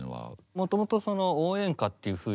もともとその応援歌っていうふうに。